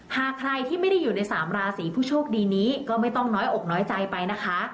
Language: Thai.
หากใครที่ไม่ได้อยู่ในสามราศีผู้โชคดีนี้ก็ไม่ต้องน้อยอกน้อยใจไปนะคะ